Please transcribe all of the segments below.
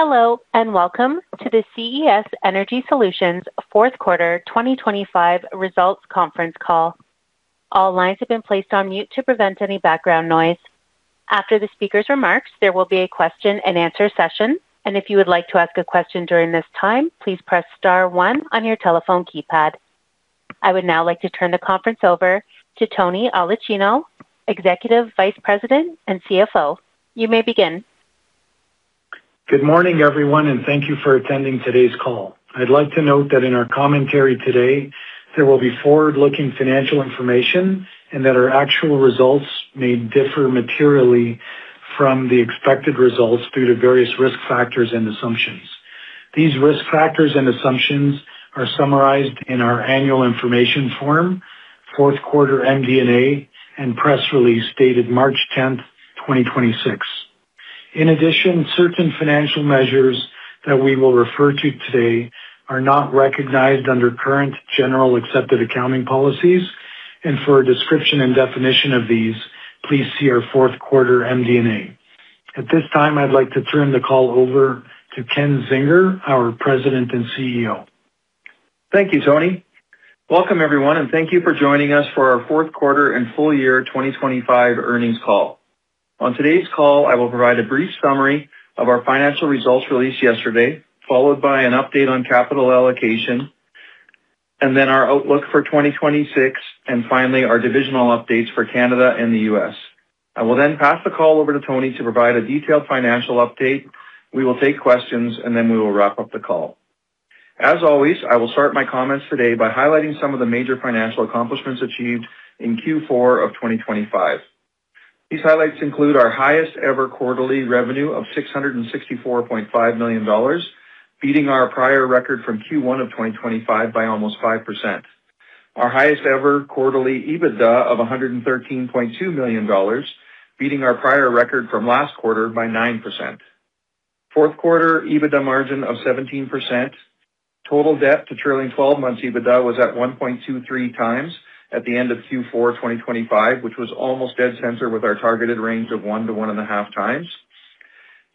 Hello, and welcome to the CES Energy Solutions fourth quarter 2025 results conference call. All lines have been placed on mute to prevent any background noise. After the speaker's remarks, there will be a question-and-answer session. If you would like to ask a question during this time, please press star one on your telephone keypad. I would now like to turn the conference over to Anthony Aulicino, Executive Vice President and CFO. You may begin. Good morning, everyone, and thank you for attending today's call. I'd like to note that in our commentary today, there will be forward-looking financial information and that our actual results may differ materially from the expected results due to various risk factors and assumptions. These risk factors and assumptions are summarized in our annual information form, fourth quarter MD&A and press release dated March 10th, 2026. In addition, certain financial measures that we will refer to today are not recognized under current generally accepted accounting policies. For a description and definition of these, please see our fourth quarter MD&A. At this time, I'd like to turn the call over to Ken Zinger, our President and CEO. Thank you, Tony. Welcome, everyone, and thank you for joining us for our fourth quarter and full year 2025 earnings call. On today's call, I will provide a brief summary of our financial results released yesterday, followed by an update on capital allocation and then our outlook for 2026, and finally our divisional updates for Canada and the US. I will then pass the call over to Tony to provide a detailed financial update. We will take questions and then we will wrap up the call. As always, I will start my comments today by highlighting some of the major financial accomplishments achieved in Q4 of 2025. These highlights include our highest-ever quarterly revenue of $664.5 million, beating our prior record from Q1 of 2025 by almost 5%. Our highest-ever quarterly EBITDA of 113.2 million dollars, beating our prior record from last quarter by 9%. Fourth quarter EBITDA margin of 17%. Total debt to trailing twelve months EBITDA was at 1.23x at the end of Q4 2025, which was almost dead center with our targeted range of 1-1.5x.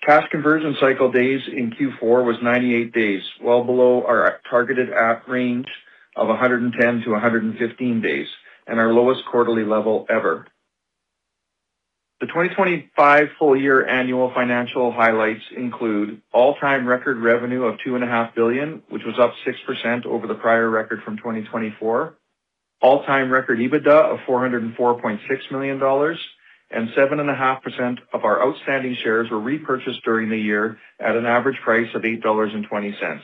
Cash conversion cycle days in Q4 was 98 days, well below our targeted range of 110-115 days and our lowest quarterly level ever. The 2025 full year annual financial highlights include all-time record revenue of 2.5 billion, which was up 6% over the prior record from 2024. All-time record EBITDA of 404.6 million dollars and 7.5% of our outstanding shares were repurchased during the year at an average price of 8.20 dollars.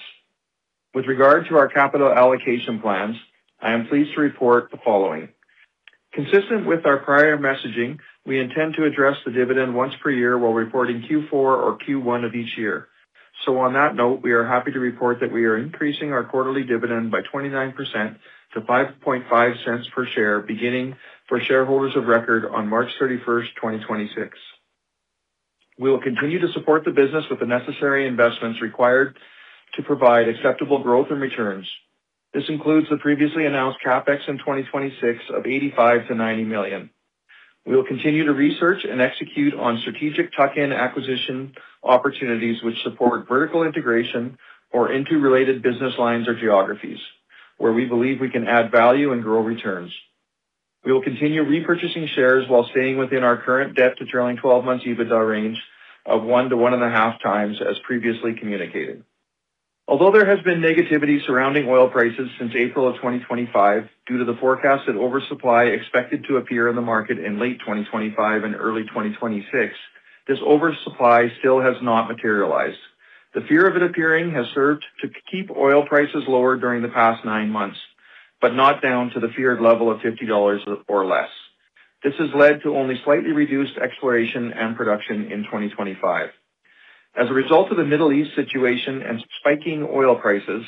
With regard to our capital allocation plans, I am pleased to report the following. Consistent with our prior messaging, we intend to address the dividend once per year while reporting Q4 or Q1 of each year. On that note, we are happy to report that we are increasing our quarterly dividend by 29% to 0.055 per share, beginning for shareholders of record on March 31st, 2026. We will continue to support the business with the necessary investments required to provide acceptable growth and returns. This includes the previously announced CapEx in 2026 of 85 million-90 million. We will continue to research and execute on strategic tuck-in acquisition opportunities which support vertical integration or interrelated business lines or geographies where we believe we can add value and grow returns. We will continue repurchasing shares while staying within our current debt to trailing 12 months EBITDA range of 1-1.5x, as previously communicated. Although there has been negativity surrounding oil prices since April 2025 due to the forecast that oversupply expected to appear in the market in late 2025 and early 2026, this oversupply still has not materialized. The fear of it appearing has served to keep oil prices lower during the past 9 months, but not down to the feared level of $50 or less. This has led to only slightly reduced exploration and production in 2025. As a result of the Middle East situation and spiking oil prices,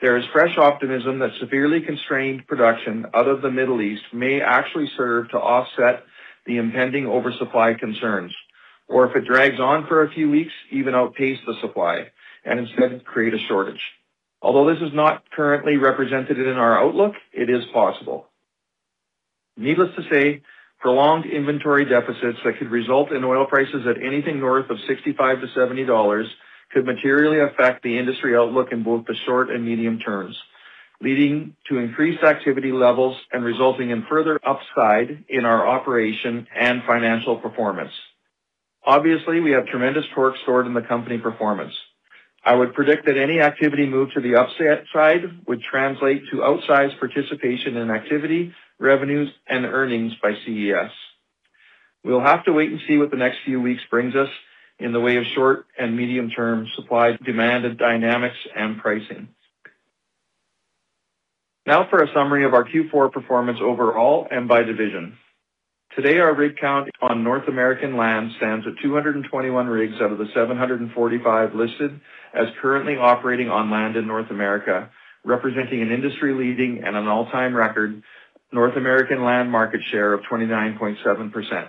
there is fresh optimism that severely constrained production out of the Middle East may actually serve to offset the impending oversupply concerns, or if it drags on for a few weeks, even outpace the supply and instead create a shortage. Although this is not currently represented in our outlook, it is possible. Needless to say, prolonged inventory deficits that could result in oil prices at anything north of $65-$70 could materially affect the industry outlook in both the short and medium terms, leading to increased activity levels and resulting in further upside in our operation and financial performance. Obviously, we have tremendous torque stored in the company performance. I would predict that any activity move to the upside would translate to outsized participation in activity, revenues and earnings by CES. We'll have to wait and see what the next few weeks brings us in the way of short and medium term supply, demand and dynamics and pricing. Now for a summary of our Q4 performance overall and by division. Today, our rig count on North American land stands at 221 rigs out of the 745 listed as currently operating on land in North America, representing an industry-leading and an all-time record North American land market share of 29.7%.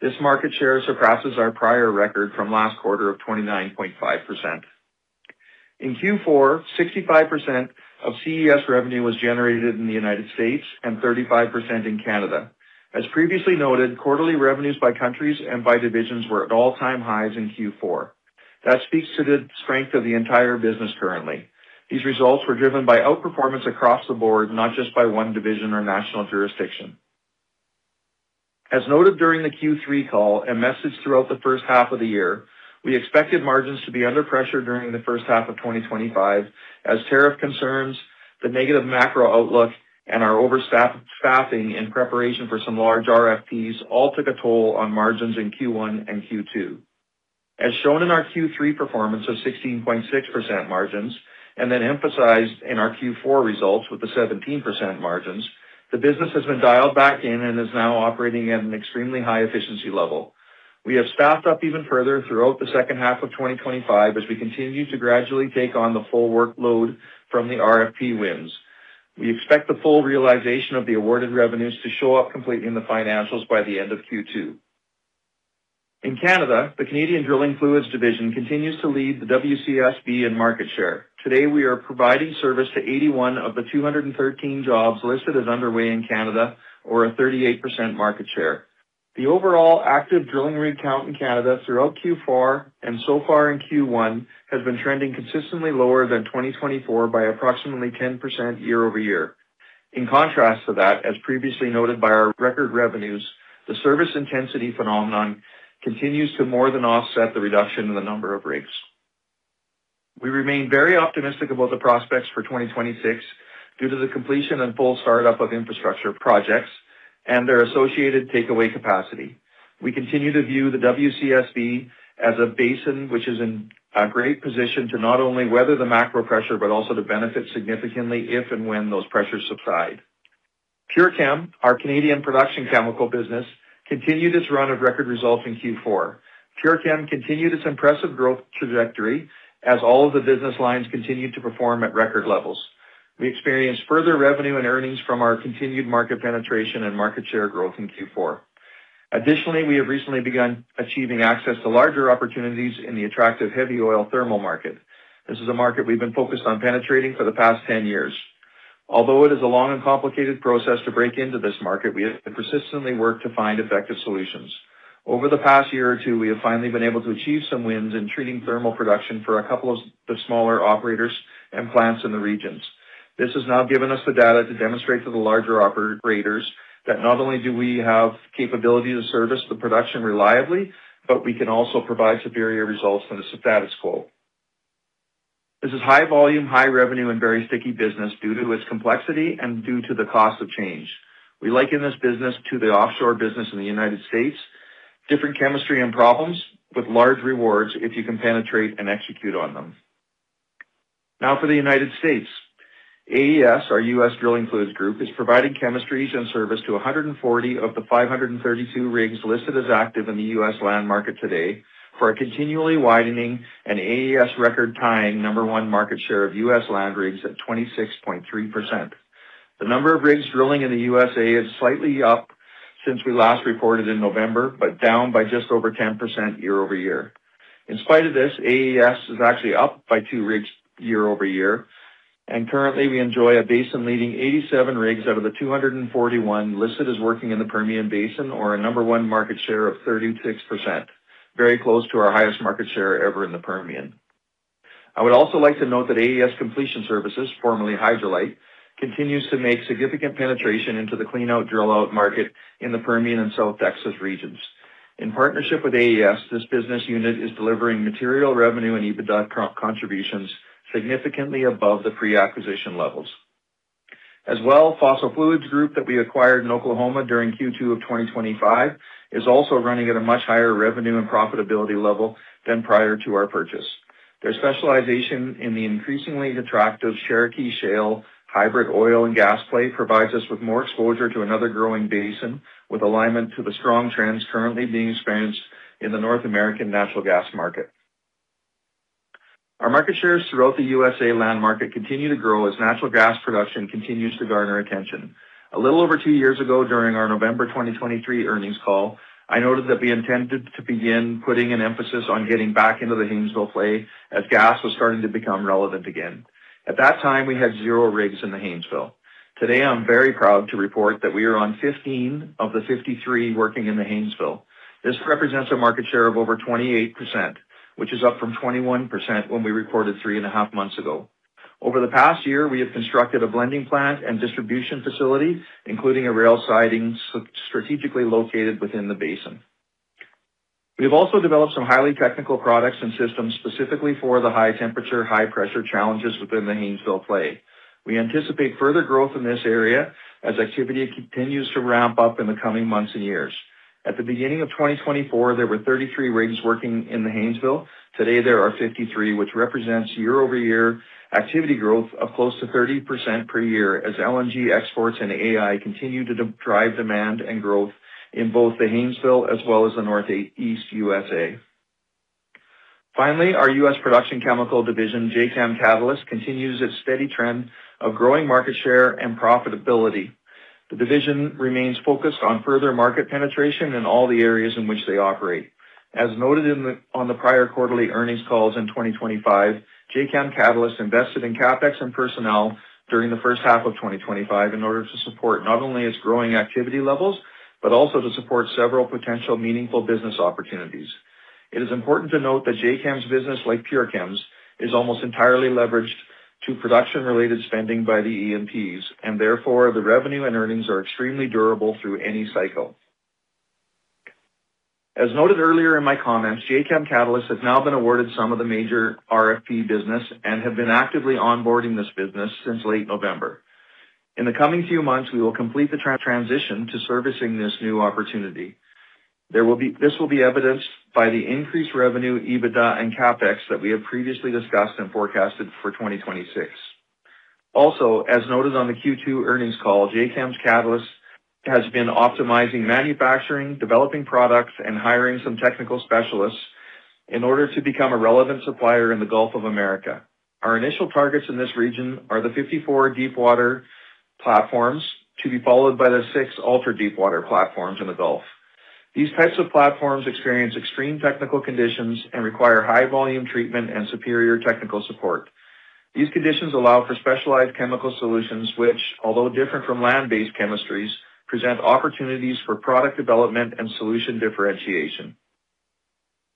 This market share surpasses our prior record from last quarter of 29.5%. In Q4, 65% of CES revenue was generated in the United States and 35% in Canada. As previously noted, quarterly revenues by countries and by divisions were at all-time highs in Q4. That speaks to the strength of the entire business currently. These results were driven by outperformance across the board, not just by one division or national jurisdiction. As noted during the Q3 call and messaged throughout the first half of the year, we expected margins to be under pressure during the first half of 2025 as tariff concerns, the negative macro outlook, and our overstaffing in preparation for some large RFPs all took a toll on margins in Q1 and Q2. As shown in our Q3 performance of 16.6% margins and then emphasized in our Q4 results with the 17% margins, the business has been dialed back in and is now operating at an extremely high efficiency level. We have staffed up even further throughout the second half of 2025 as we continue to gradually take on the full workload from the RFP wins. We expect the full realization of the awarded revenues to show up completely in the financials by the end of Q2. In Canada, the Canadian Drilling Fluids division continues to lead the WCSB in market share. Today, we are providing service to 81 of the 213 jobs listed as underway in Canada or a 38% market share. The overall active drilling rig count in Canada throughout Q4 and so far in Q1 has been trending consistently lower than 2024 by approximately 10% year-over-year. In contrast to that, as previously noted by our record revenues, the service intensity phenomenon continues to more than offset the reduction in the number of rigs. We remain very optimistic about the prospects for 2026 due to the completion and full startup of infrastructure projects and their associated takeaway capacity. We continue to view the WCSB as a basin which is in a great position to not only weather the macro pressure but also to benefit significantly if and when those pressures subside. PureChem, our Canadian production chemical business, continued its run of record results in Q4. PureChem continued its impressive growth trajectory as all of the business lines continued to perform at record levels. We experienced further revenue and earnings from our continued market penetration and market share growth in Q4. Additionally, we have recently begun achieving access to larger opportunities in the attractive heavy oil thermal market. This is a market we've been focused on penetrating for the past 10 years. Although it is a long and complicated process to break into this market, we have persistently worked to find effective solutions. Over the past year or two, we have finally been able to achieve some wins in treating thermal production for a couple of the smaller operators and plants in the regions. This has now given us the data to demonstrate to the larger operators that not only do we have capability to service the production reliably, but we can also provide superior results than the status quo. This is high volume, high revenue, and very sticky business due to its complexity and due to the cost of change. We liken this business to the offshore business in the United States, different chemistry and problems with large rewards if you can penetrate and execute on them. Now for the United States. AES, our U.S. drilling fluids group, is providing chemistries and service to 140 of the 532 rigs listed as active in the U.S. land market today for a continually widening and AES record-tying number one market share of U.S. land rigs at 26.3%. The number of rigs drilling in the U.S.A. is slightly up since we last reported in November, but down by just over 10% year-over-year. In spite of this, AES is actually up by 2 rigs year-over-year, and currently, we enjoy a basin leading 87 rigs out of the 241 listed as working in the Permian Basin or a number one market share of 36%, very close to our highest market share ever in the Permian. I would also like to note that AES Completion Services, formerly HydroLite, continues to make significant penetration into the clean out drill out market in the Permian and South Texas regions. In partnership with AES, this business unit is delivering material revenue and EBITDA contributions significantly above the pre-acquisition levels. As well, Fossil Fluids LLC that we acquired in Oklahoma during Q2 of 2025 is also running at a much higher revenue and profitability level than prior to our purchase. Their specialization in the increasingly attractive Cherokee Shale hybrid oil and gas play provides us with more exposure to another growing basin with alignment to the strong trends currently being experienced in the North American natural gas market. Our market shares throughout the USA land market continue to grow as natural gas production continues to garner attention. A little over two years ago, during our November 2023 earnings call, I noted that we intended to begin putting an emphasis on getting back into the Haynesville play as gas was starting to become relevant again. At that time, we had zero rigs in the Haynesville. Today, I'm very proud to report that we are on 15 of the 53 working in the Haynesville. This represents a market share of over 28%, which is up from 21% when we reported three and a half months ago. Over the past year, we have constructed a blending plant and distribution facility, including a rail siding strategically located within the basin. We've also developed some highly technical products and systems specifically for the high temperature, high pressure challenges within the Haynesville play. We anticipate further growth in this area as activity continues to ramp up in the coming months and years. At the beginning of 2024, there were 33 rigs working in the Haynesville. Today, there are 53, which represents year-over-year activity growth of close to 30% per year as LNG exports and AI continue to drive demand and growth in both the Haynesville as well as the Northeast USA. Finally, our US production chemical division, Jacam Catalyst, continues its steady trend of growing market share and profitability. The division remains focused on further market penetration in all the areas in which they operate. As noted on the prior quarterly earnings calls in 2025, Jacam Catalyst invested in CapEx and personnel during the first half of 2025 in order to support not only its growing activity levels, but also to support several potential meaningful business opportunities. It is important to note that Jacam Catalyst's business, like PureChem Services, is almost entirely leveraged to production-related spending by the E&Ps, and therefore the revenue and earnings are extremely durable through any cycle. As noted earlier in my comments, Jacam Catalyst has now been awarded some of the major RFP business and have been actively onboarding this business since late November. In the coming few months, we will complete the transition to servicing this new opportunity. This will be evidenced by the increased revenue, EBITDA and CapEx that we have previously discussed and forecasted for 2026. Also, as noted on the Q2 earnings call, Jacam Catalyst has been optimizing manufacturing, developing products, and hiring some technical specialists in order to become a relevant supplier in the Gulf of Mexico. Our initial targets in this region are the 54 deepwater platforms, to be followed by the 6 ultra-deepwater platforms in the Gulf. These types of platforms experience extreme technical conditions and require high volume treatment and superior technical support. These conditions allow for specialized chemical solutions which, although different from land-based chemistries, present opportunities for product development and solution differentiation.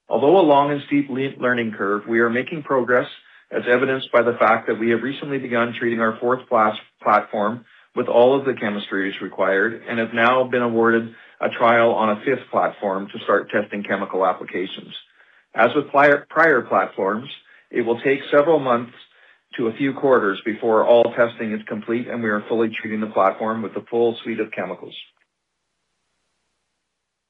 Although a long and steep learning curve, we are making progress, as evidenced by the fact that we have recently begun treating our fourth platform with all of the chemistries required and have now been awarded a trial on a fifth platform to start testing chemical applications. As with prior platforms, it will take several months to a few quarters before all testing is complete and we are fully treating the platform with a full suite of chemicals.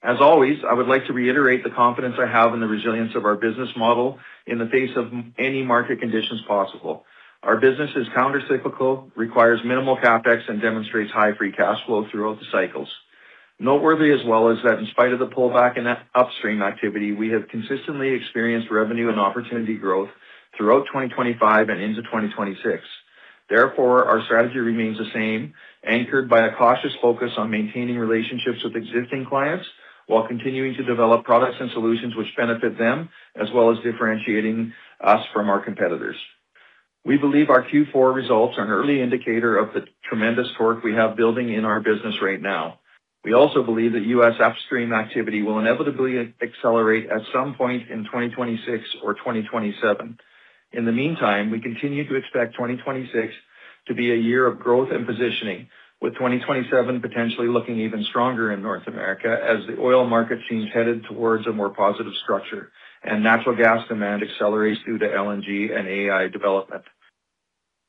As always, I would like to reiterate the confidence I have in the resilience of our business model in the face of many market conditions possible. Our business is countercyclical, requires minimal CapEx, and demonstrates high free cash flow throughout the cycles. Noteworthy as well is that in spite of the pullback in upstream activity, we have consistently experienced revenue and opportunity growth throughout 2025 and into 2026. Therefore, our strategy remains the same, anchored by a cautious focus on maintaining relationships with existing clients while continuing to develop products and solutions which benefit them, as well as differentiating us from our competitors. We believe our Q4 results are an early indicator of the tremendous torque we have building in our business right now. We also believe that U.S. upstream activity will inevitably accelerate at some point in 2026 or 2027. In the meantime, we continue to expect 2026 to be a year of growth and positioning, with 2027 potentially looking even stronger in North America as the oil market seems headed towards a more positive structure and natural gas demand accelerates due to LNG and AI development.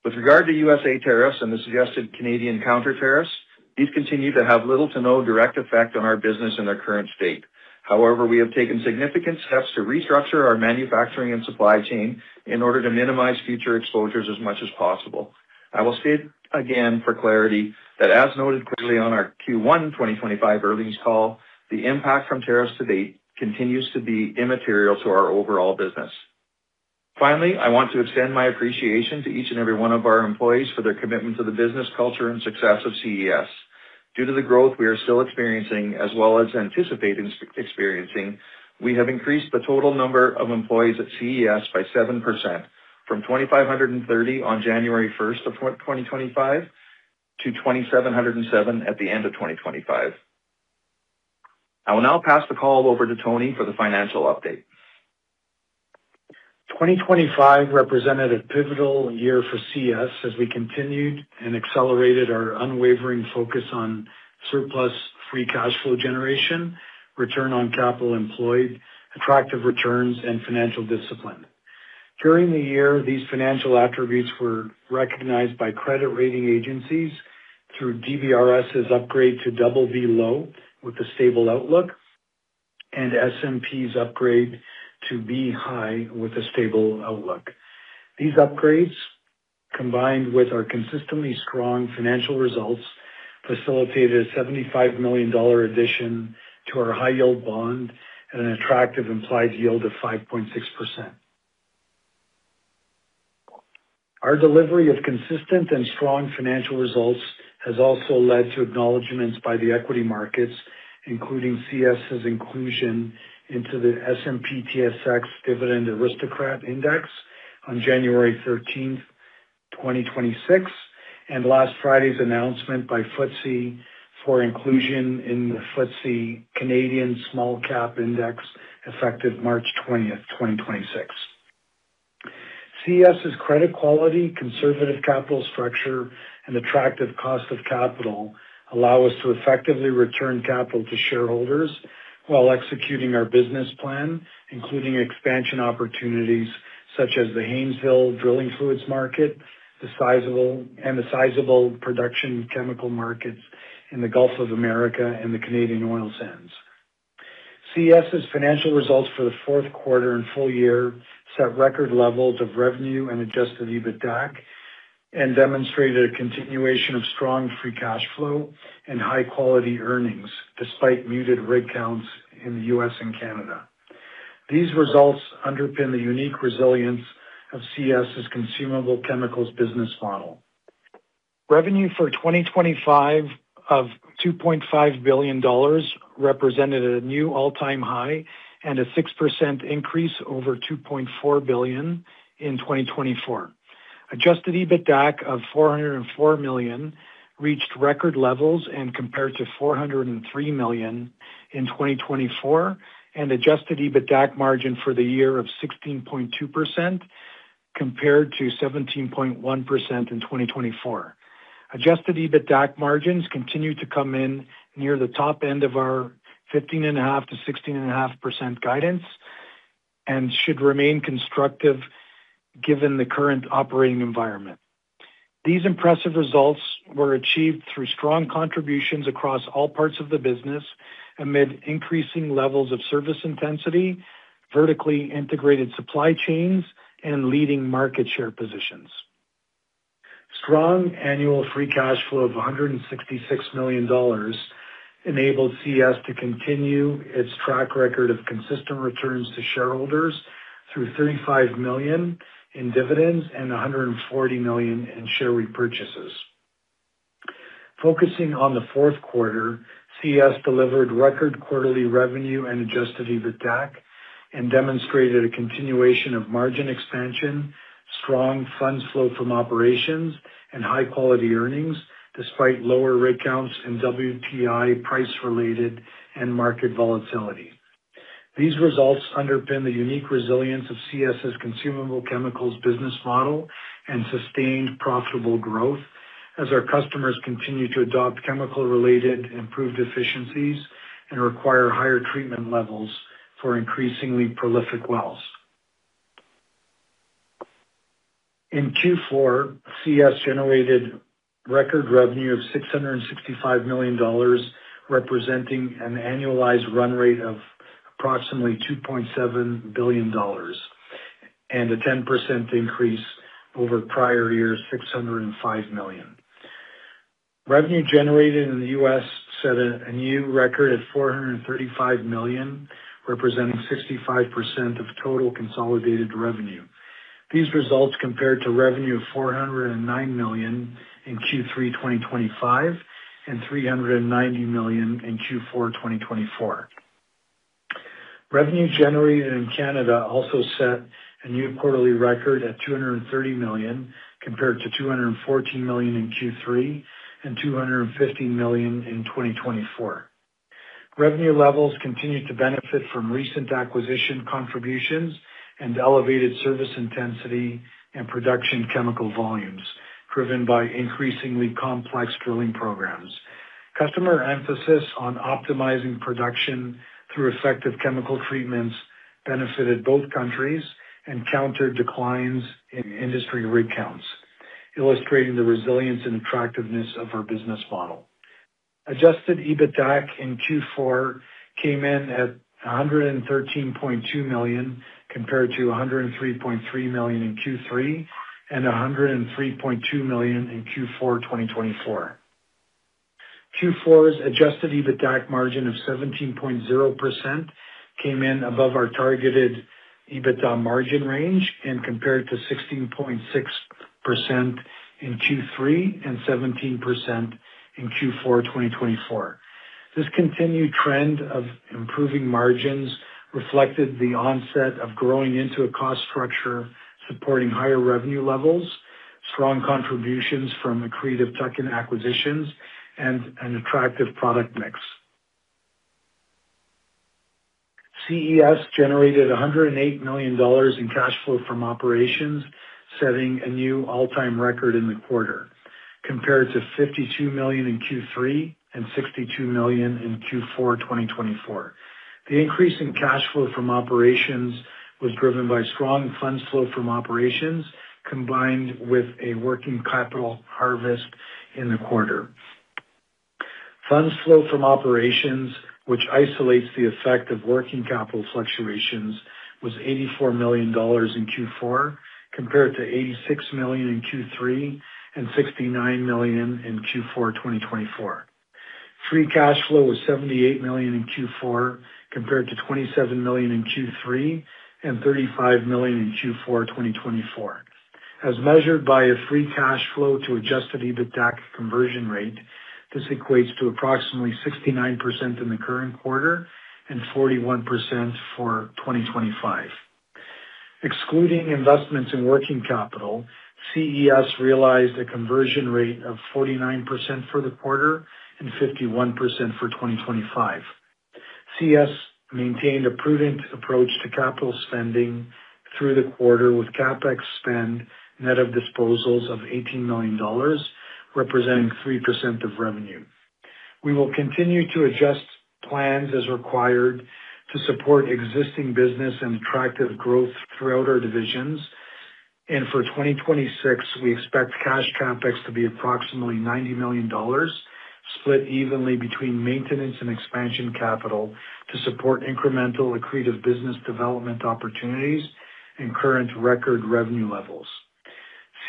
With regard to U.S. tariffs and the suggested Canadian counter-tariffs, these continue to have little to no direct effect on our business in their current state. However, we have taken significant steps to restructure our manufacturing and supply chain in order to minimize future exposures as much as possible. I will state again for clarity that, as noted clearly on our Q1 2025 earnings call, the impact from tariffs to date continues to be immaterial to our overall business. Finally, I want to extend my appreciation to each and every one of our employees for their commitment to the business culture and success of CES. Due to the growth we are still experiencing as well as anticipating experiencing, we have increased the total number of employees at CES by 7% from 2,530 on January 1, 2025 to 2,707 at the end of 2025. I will now pass the call over to Tony for the financial update. 2025 represented a pivotal year for CES as we continued and accelerated our unwavering focus on surplus free cash flow generation, return on capital employed, attractive returns, and financial discipline. During the year, these financial attributes were recognized by credit rating agencies through DBRS's upgrade to BB (low) with a stable outlook and S&P's upgrade to B+ with a stable outlook. These upgrades, combined with our consistently strong financial results, facilitated a $75 million addition to our high-yield bond at an attractive implied yield of 5.6%. Our delivery of consistent and strong financial results has also led to acknowledgments by the equity markets, including CES's inclusion into the S&P/TSX Canadian Dividend Aristocrats Index on January 13, 2026, and last Friday's announcement by FTSE for inclusion in the FTSE Canadian Small Cap Index, effective March 20, 2026. CES's credit quality, conservative capital structure, and attractive cost of capital allow us to effectively return capital to shareholders while executing our business plan, including expansion opportunities such as the Haynesville drilling fluids market, the sizable production chemical markets in the Gulf of Mexico and the Canadian oil sands. CES's financial results for the fourth quarter and full year set record levels of revenue and Adjusted EBITDA and demonstrated a continuation of strong free cash flow and high-quality earnings despite muted rig counts in the U.S. and Canada. These results underpin the unique resilience of CES's Consumable Chemicals business model. Revenue for 2025 of 2.5 billion dollars represented a new all-time high and a 6% increase over 2.4 billion in 2024. Adjusted EBITDAC of $404 million reached record levels, compared to $403 million in 2024, and Adjusted EBITDAC margin for the year of 16.2% compared to 17.1% in 2024. Adjusted EBITDAC margins continue to come in near the top end of our 15.5%-16.5% guidance and should remain constructive given the current operating environment. These impressive results were achieved through strong contributions across all parts of the business amid increasing levels of service intensity, vertically integrated supply chains and leading market share positions. Strong annual free cash flow of $166 million enabled CES to continue its track record of consistent returns to shareholders through $35 million in dividends and $140 million in share repurchases. Focusing on the fourth quarter, CES delivered record quarterly revenue and Adjusted EBITDAC and demonstrated a continuation of margin expansion, strong funds flow from operations and high-quality earnings, despite lower rig counts and WTI price-related and market volatility. These results underpin the unique resilience of CES's Consumable Chemicals business model and sustained profitable growth as our customers continue to adopt chemical-related improved efficiencies and require higher treatment levels for increasingly prolific wells. In Q4, CES generated record revenue of 665 million dollars, representing an annualized run rate of approximately 2.7 billion dollars and a 10% increase over prior year's 605 million. Revenue generated in the US set a new record at $435 million, representing 65% of total consolidated revenue. These results compared to revenue of 409 million in Q3 2025 and 390 million in Q4 2024. Revenue generated in Canada also set a new quarterly record at 230 million, compared to 214 million in Q3 and 215 million in 2024. Revenue levels continued to benefit from recent acquisition contributions and elevated service intensity and production chemical volumes, driven by increasingly complex drilling programs. Customer emphasis on optimizing production through effective chemical treatments benefited both countries and countered declines in industry rig counts, illustrating the resilience and attractiveness of our business model. Adjusted EBITDAC in Q4 came in at 113.2 million, compared to 103.3 million in Q3 and 103.2 million in Q4 2024. Q4's Adjusted EBITDAC margin of 17.0% came in above our targeted EBITDA margin range and compared to 16.6% in Q3 and 17% in Q4 2024. This continued trend of improving margins reflected the onset of growing into a cost structure supporting higher revenue levels, strong contributions from accretive tuck-in acquisitions, and an attractive product mix. CES generated $108 million in cash flow from operations, setting a new all-time record in the quarter, compared to $52 million in Q3 and $62 million in Q4 2024. The increase in cash flow from operations was driven by strong funds flow from operations, combined with a working capital harvest in the quarter. Funds flow from operations, which isolates the effect of working capital fluctuations, was $84 million in Q4, compared to $86 million in Q3 and $69 million in Q4 2024. Free cash flow was 78 million in Q4, compared to 27 million in Q3 and 35 million in Q4 2024. As measured by a free cash flow to Adjusted EBITDAC conversion rate, this equates to approximately 69% in the current quarter and 41% for 2025. Excluding investments in working capital, CES realized a conversion rate of 49% for the quarter and 51% for 2025. CES maintained a prudent approach to capital spending through the quarter, with CapEx spend net of disposals of 18 million dollars, representing 3% of revenue. We will continue to adjust plans as required to support existing business and attractive growth throughout our divisions. For 2026, we expect cash CapEx to be approximately 90 million dollars, split evenly between maintenance and expansion capital to support incremental accretive business development opportunities and current record revenue levels.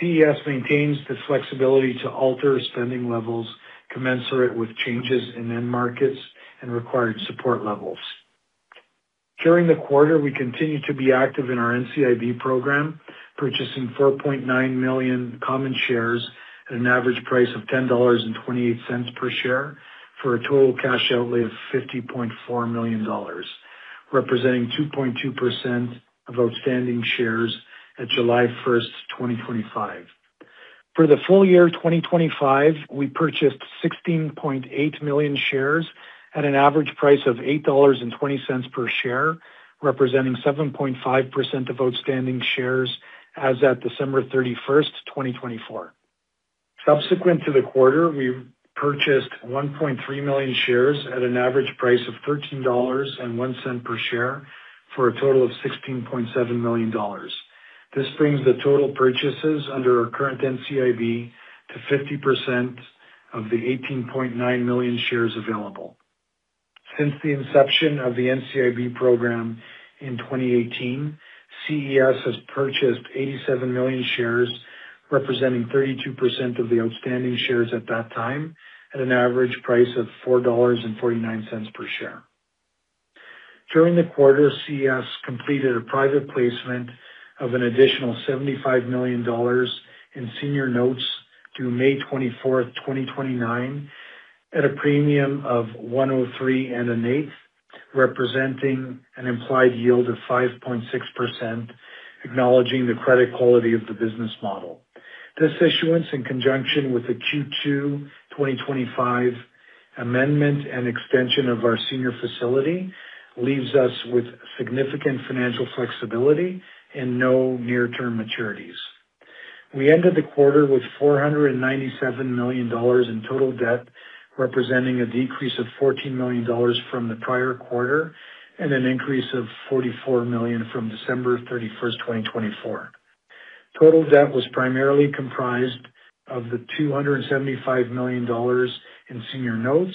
CES maintains the flexibility to alter spending levels commensurate with changes in end markets and required support levels. During the quarter, we continued to be active in our NCIB program, purchasing 4.9 million common shares at an average price of 10.28 dollars per share for a total cash outlay of 50.4 million dollars, representing 2.2% of outstanding shares at July 1, 2025. For the full year 2025, we purchased 16.8 million shares at an average price of 8.20 dollars per share, representing 7.5% of outstanding shares as at December 31, 2024. Subsequent to the quarter, we purchased 1.3 million shares at an average price of 13.01 dollars per share for a total of 16.7 million dollars. This brings the total purchases under our current NCIB to 50% of the 18.9 million shares available. Since the inception of the NCIB program in 2018, CES has purchased 87 million shares, representing 32% of the outstanding shares at that time, at an average price of 4.49 dollars per share. During the quarter, CES completed a private placement of an additional 75 million dollars in senior notes through May 24, 2029, at a premium of 103 1/8, representing an implied yield of 5.6%, acknowledging the credit quality of the business model. This issuance, in conjunction with the Q2 2025 amendment and extension of our senior facility, leaves us with significant financial flexibility and no near-term maturities. We ended the quarter with $497 million in total debt, representing a decrease of $14 million from the prior quarter and an increase of $44 million from December 31, 2024. Total debt was primarily comprised of the $275 million in senior notes,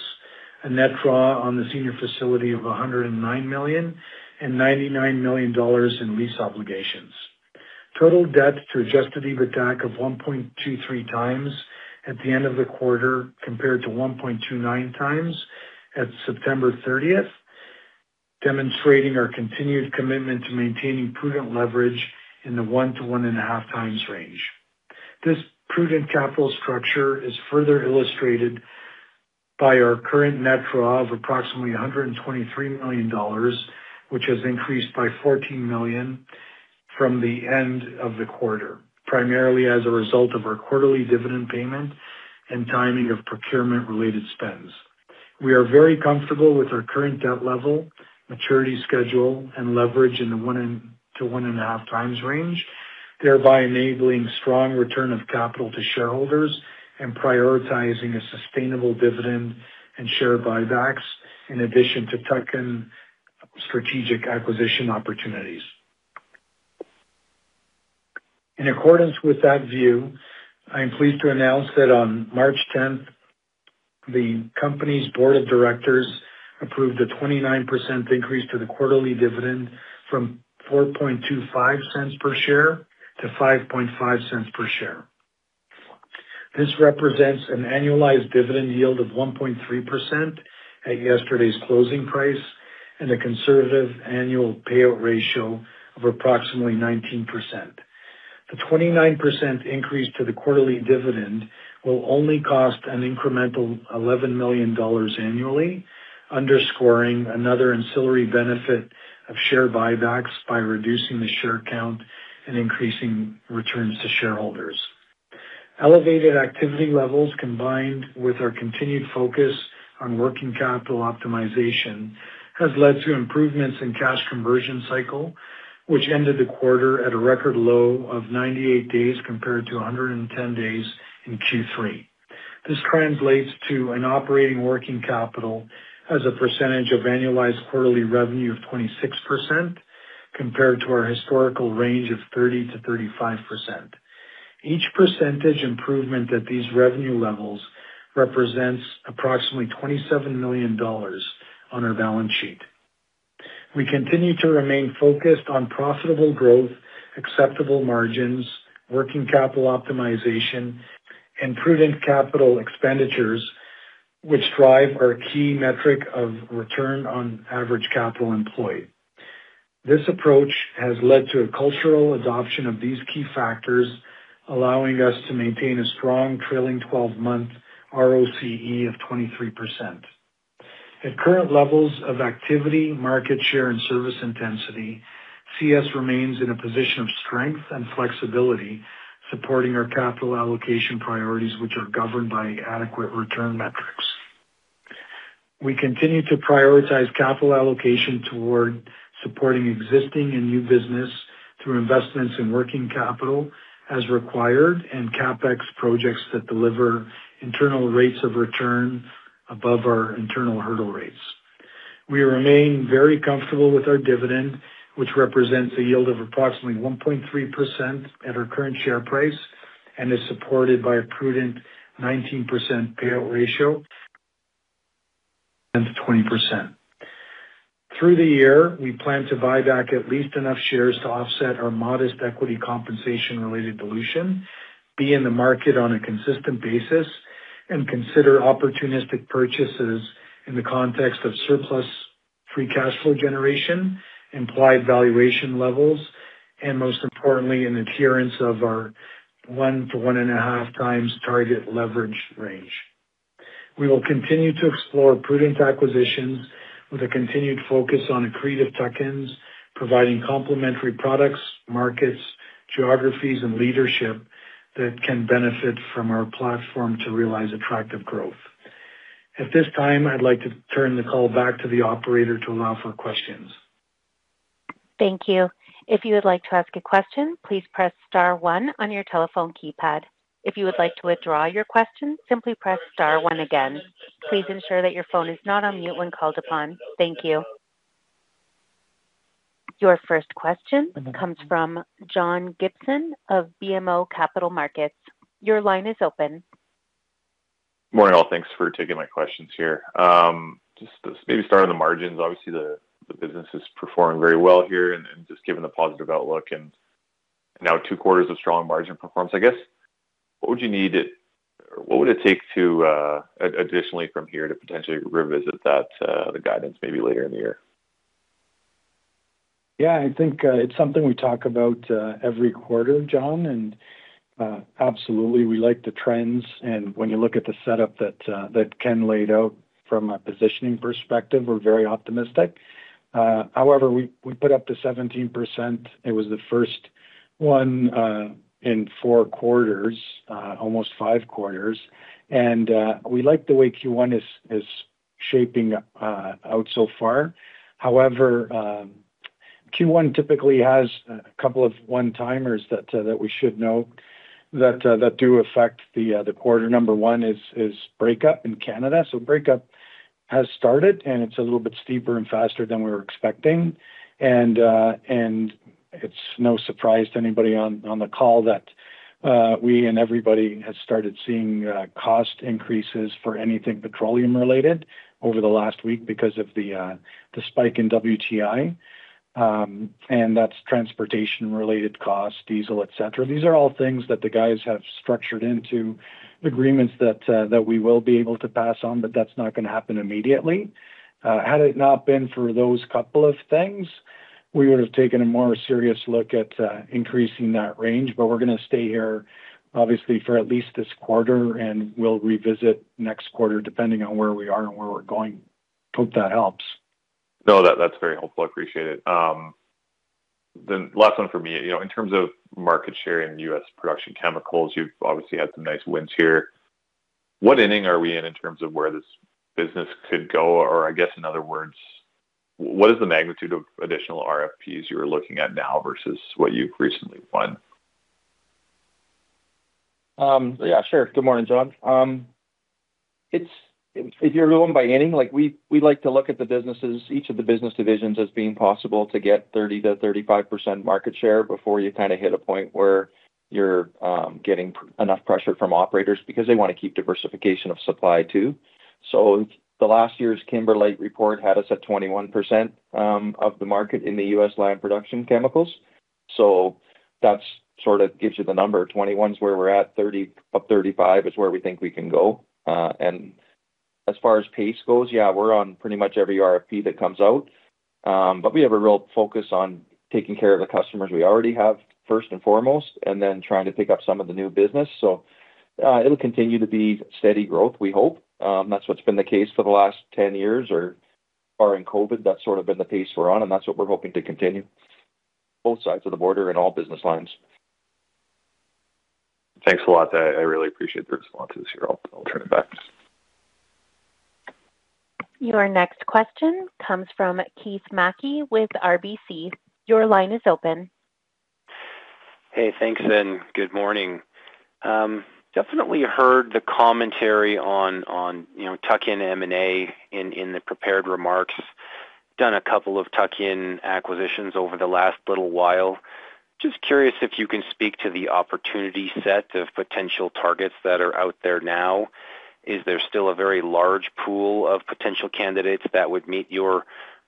a net draw on the senior facility of $109 million and $99 million in lease obligations. Total debt to Adjusted EBITDA of 1.23x at the end of the quarter compared to 1.29x at September 30, demonstrating our continued commitment to maintaining prudent leverage in the 1-1.5x range. This prudent capital structure is further illustrated by our current net draw of approximately 123 million dollars, which has increased by 14 million from the end of the quarter, primarily as a result of our quarterly dividend payment and timing of procurement related spends. We are very comfortable with our current debt level, maturity schedule and leverage in the 1 to 1.5x range, thereby enabling strong return of capital to shareholders and prioritizing a sustainable dividend and share buybacks in addition to tuck-in strategic acquisition opportunities. In accordance with that view, I am pleased to announce that on March 10th, the company's board of directors approved a 29% increase to the quarterly dividend from 0.0425 per share to 0.055 per share. This represents an annualized dividend yield of 1.3% at yesterday's closing price and a conservative annual payout ratio of approximately 19%. The 29% increase to the quarterly dividend will only cost an incremental 11 million dollars annually, underscoring another ancillary benefit of share buybacks by reducing the share count and increasing returns to shareholders. Elevated activity levels, combined with our continued focus on working capital optimization, has led to improvements in cash conversion cycle, which ended the quarter at a record low of 98 days compared to 110 days in Q3. This translates to an operating working capital as a percentage of annualized quarterly revenue of 26% compared to our historical range of 30%-35%. Each percentage improvement at these revenue levels represents approximately 27 million dollars on our balance sheet. We continue to remain focused on profitable growth, acceptable margins, working capital optimization, and prudent capital expenditures which drive our key metric of return on average capital employed. This approach has led to a cultural adoption of these key factors, allowing us to maintain a strong trailing 12-month ROCE of 23%. At current levels of activity, market share and service intensity, CES remains in a position of strength and flexibility supporting our capital allocation priorities which are governed by adequate return metrics. We continue to prioritize capital allocation toward supporting existing and new business through investments in working capital as required, and CapEx projects that deliver internal rates of return above our internal hurdle rates. We remain very comfortable with our dividend, which represents a yield of approximately 1.3% at our current share price and is supported by a prudent 19% payout ratio and 20%. Through the year, we plan to buy back at least enough shares to offset our modest equity compensation-related dilution, be in the market on a consistent basis, and consider opportunistic purchases in the context of surplus free cash flow generation, implied valuation levels, and most importantly, an adherence of our 1 to 1.5x target leverage range. We will continue to explore prudent acquisitions with a continued focus on accretive tuck-ins, providing complementary products, markets, geographies, and leadership that can benefit from our platform to realize attractive growth. At this time, I'd like to turn the call back to the operator to allow for questions. Thank you. If you would like to ask a question, please press star one on your telephone keypad. If you would like to withdraw your question, simply press star one again. Please ensure that your phone is not on mute when called upon. Thank you. Your first question comes from John Gibson of BMO Capital Markets. Your line is open. Morning, all. Thanks for taking my questions here. Just maybe start on the margins. Obviously, the business is performing very well here and just given the positive outlook and now two quarters of strong margin performance, I guess, what would it take to additionally from here to potentially revisit that, the guidance maybe later in the year? Yeah, I think it's something we talk about every quarter, John. Absolutely, we like the trends. When you look at the setup that Ken laid out from a positioning perspective, we're very optimistic. However, we put up to 17%. It was the first one in four quarters, almost five quarters. We like the way Q1 is shaping out so far. However, Q1 typically has a couple of one-timers that we should know that do affect the quarter. Number one is breakup in Canada. Breakup has started, and it's a little bit steeper and faster than we were expecting. It's no surprise to anybody on the call that we and everybody has started seeing cost increases for anything petroleum-related over the last week because of the spike in WTI, and that's transportation-related costs, diesel, et cetera. These are all things that the guys have structured into agreements that we will be able to pass on, but that's not gonna happen immediately. Had it not been for those couple of things, we would have taken a more serious look at increasing that range. We're gonna stay here, obviously, for at least this quarter, and we'll revisit next quarter, depending on where we are and where we're going. Hope that helps. No, that's very helpful. I appreciate it. Last one for me. You know, in terms of market share in U.S. production chemicals, you've obviously had some nice wins here. What inning are we in in terms of where this business could go? Or I guess, in other words, what is the magnitude of additional RFPs you're looking at now versus what you've recently won? Yeah, sure. Good morning, John. If you're going by inning, like, we like to look at the businesses, each of the business divisions as being possible to get 30%-35% market share before you kinda hit a point where you're getting enough pressure from operators because they wanna keep diversification of supply too. The last year's Kimberlite report had us at 21% of the market in the U.S. land production chemicals. That's sorta gives you the number. 21 is where we're at, 30-35 is where we think we can go. As far as pace goes, yeah, we're on pretty much every RFP that comes out. We have a real focus on taking care of the customers we already have first and foremost, and then trying to pick up some of the new business. It'll continue to be steady growth, we hope. That's what's been the case for the last 10 years or in COVID. That's sort of been the pace we're on, and that's what we're hoping to continue both sides of the border and all business lines. Thanks a lot. I really appreciate the responses here. I'll turn it back. Your next question comes from Keith Mackey with RBC. Your line is open. Hey, thanks, and good morning. Definitely heard the commentary on you know tuck-in M&A in the prepared remarks. Done a couple of tuck-in acquisitions over the last little while. Just curious if you can speak to the opportunity set of potential targets that are out there now. Is there still a very large pool of potential candidates that would meet your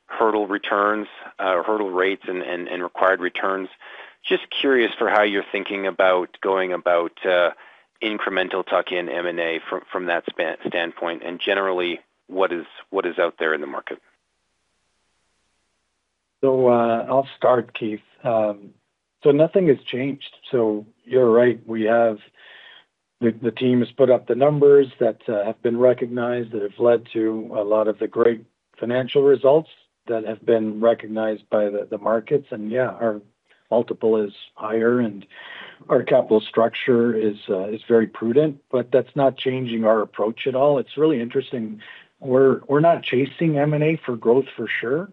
hurdle returns, hurdle rates and required returns? Just curious for how you're thinking about going about incremental tuck-in M&A from that standpoint, and generally, what is out there in the market? I'll start, Keith. Nothing has changed. You're right, the team has put up the numbers that have been recognized, that have led to a lot of the great financial results that have been recognized by the markets. Yeah, our multiple is higher and our capital structure is very prudent, but that's not changing our approach at all. It's really interesting. We're not chasing M&A for growth, for sure.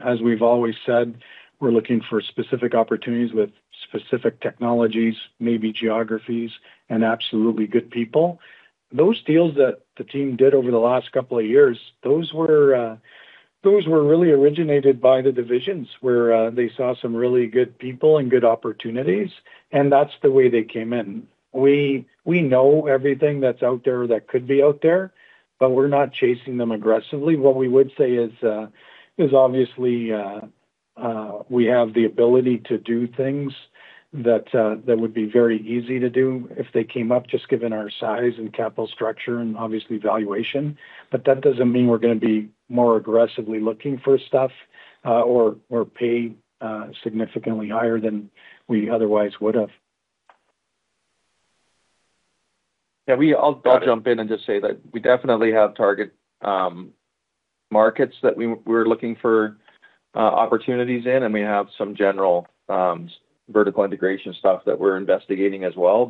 As we've always said, we're looking for specific opportunities with specific technologies, maybe geographies, and absolutely good people. Those deals that the team did over the last couple of years, those were really originated by the divisions where they saw some really good people and good opportunities, and that's the way they came in. We know everything that's out there that could be out there, but we're not chasing them aggressively. What we would say is obviously we have the ability to do things that would be very easy to do if they came up, just given our size and capital structure and obviously valuation. That doesn't mean we're gonna be more aggressively looking for stuff, or pay significantly higher than we otherwise would have. Yeah. I'll jump in and just say that we definitely have target markets that we're looking for opportunities in, and we have some general vertical integration stuff that we're investigating as well.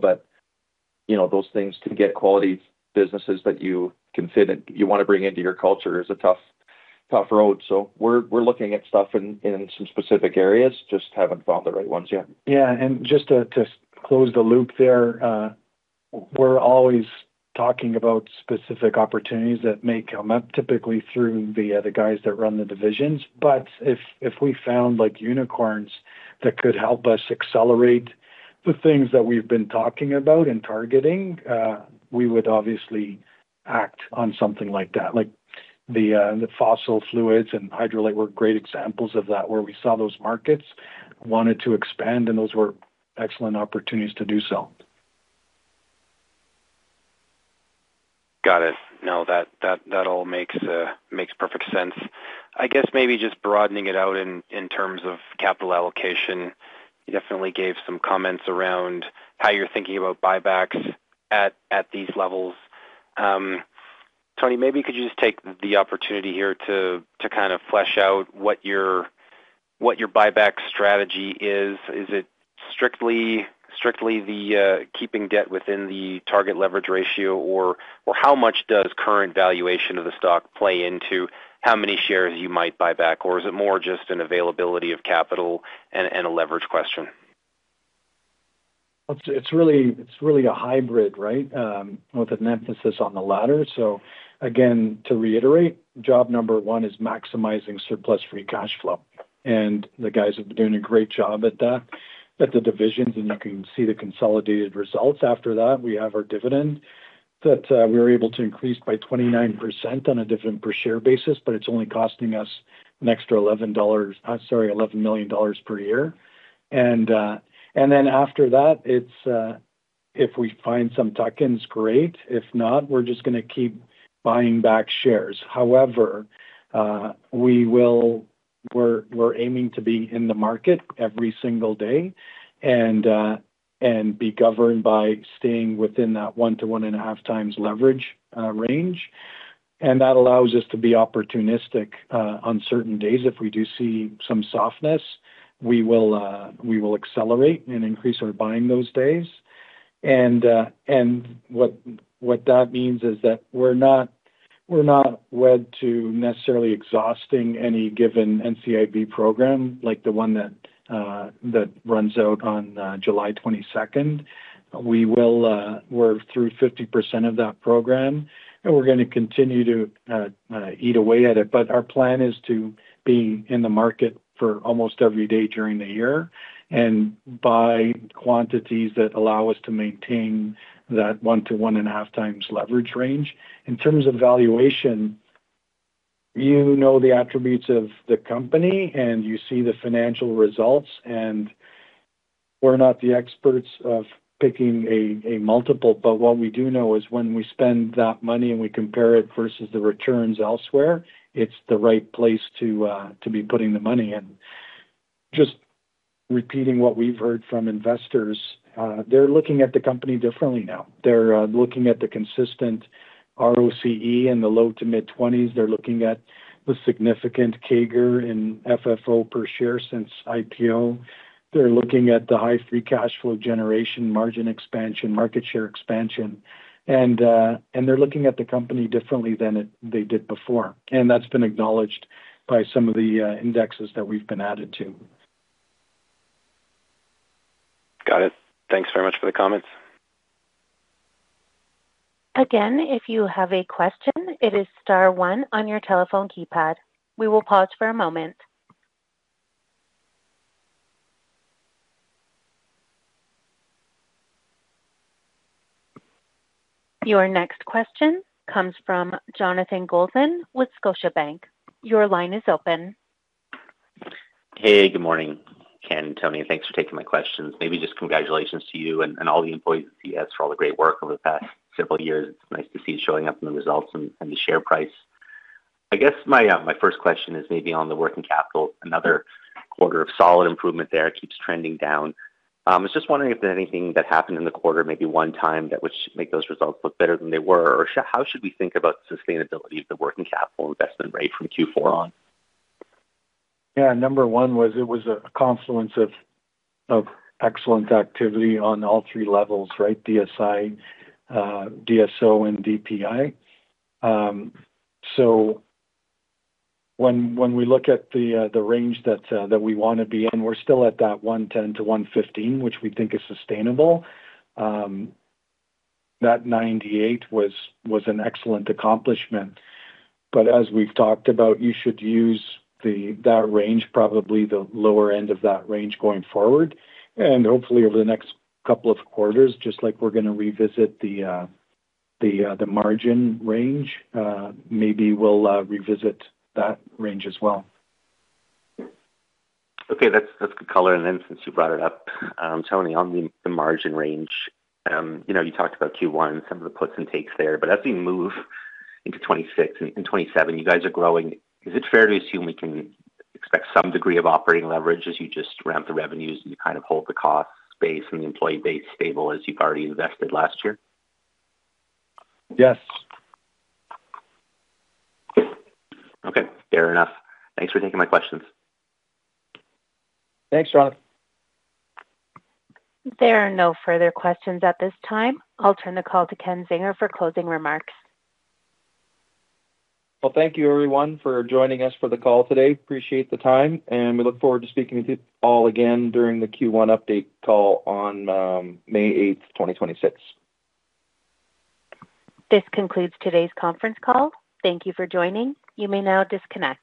You know, those things to get quality businesses that you can fit in, you wanna bring into your culture is a tough road. We're looking at stuff in some specific areas, just haven't found the right ones yet. Yeah. Just to close the loop there, we're always talking about specific opportunities that may come up, typically through the guys that run the divisions. But if we found like unicorns that could help us accelerate the things that we've been talking about and targeting, we would obviously act on something like that. Like the Fossil Fluids and HydroLite were great examples of that, where we saw those markets wanted to expand, and those were excellent opportunities to do so. Got it. No, that all makes perfect sense. I guess maybe just broadening it out in terms of capital allocation. You definitely gave some comments around how you're thinking about buybacks at these levels. Tony, maybe could you just take the opportunity here to kind of flesh out what your buyback strategy is. Is it strictly keeping debt within the target leverage ratio? Or how much does current valuation of the stock play into how many shares you might buy back? Or is it more just an availability of capital and a leverage question? It's really a hybrid, right? With an emphasis on the latter. To reiterate, job number one is maximizing surplus free cash flow. The guys have been doing a great job at that at the divisions, and you can see the consolidated results. After that, we have our dividend that we were able to increase by 29% on a dividend per share basis, but it's only costing us an extra 11 million dollars per year. After that, it's if we find some tuck-ins, great. If not, we're just gonna keep buying back shares. However, we're aiming to be in the market every single day and be governed by staying within that 1-1.5x leverage range. That allows us to be opportunistic on certain days. If we do see some softness, we will accelerate and increase our buying those days. What that means is that we're not wed to necessarily exhausting any given NCIB program like the one that runs out on July 22nd. We're through 50% of that program, and we're gonna continue to eat away at it. Our plan is to be in the market for almost every day during the year and buy quantities that allow us to maintain that 1-1.5x leverage range. In terms of valuation, you know the attributes of the company, and you see the financial results, and we're not the experts of picking a multiple. What we do know is when we spend that money and we compare it versus the returns elsewhere, it's the right place to be putting the money in. Just repeating what we've heard from investors, they're looking at the company differently now. They're looking at the consistent ROCE in the low- to mid-20s%. They're looking at the significant CAGR in FFO per share since IPO. They're looking at the high free cash flow generation, margin expansion, market share expansion, and they're looking at the company differently than they did before. That's been acknowledged by some of the indexes that we've been added to. Got it. Thanks very much for the comments. Again, if you have a question, it is star one on your telephone keypad. We will pause for a moment. Your next question comes from Jonathan Goldman with Scotiabank. Your line is open. Hey, good morning, Ken, Tony, and thanks for taking my questions. Maybe just congratulations to you and all the employees at CES for all the great work over the past several years. It's nice to see it showing up in the results and the share price. I guess my first question is maybe on the working capital. Another quarter of solid improvement there, it keeps trending down. I was just wondering if there's anything that happened in the quarter, maybe one time, that would make those results look better than they were. Or how should we think about sustainability of the working capital investment rate from Q4 on? Yeah. Number one was a confluence of excellent activity on all three levels, right? DSI, DSO, and DPI. So when we look at the range that we wanna be in, we're still at that 110-115, which we think is sustainable. That 98 was an excellent accomplishment. But as we've talked about, you should use that range, probably the lower end of that range going forward. Hopefully over the next couple of quarters, just like we're gonna revisit the margin range, maybe we'll revisit that range as well. Okay. That's good color. Since you brought it up, Tony, on the margin range, you know, you talked about Q1, some of the puts and takes there, but as we move into 2026 and 2027, you guys are growing. Is it fair to assume we can expect some degree of operating leverage as you just ramp the revenues and you kind of hold the cost base and the employee base stable as you've already invested last year? Yes. Okay. Fair enough. Thanks for taking my questions. Thanks, Jon. There are no further questions at this time. I'll turn the call to Ken Zinger for closing remarks. Well, thank you everyone for joining us for the call today. Appreciate the time, and we look forward to speaking to you all again during the Q1 update call on May 8, 2026. This concludes today's conference call. Thank you for joining. You may now disconnect.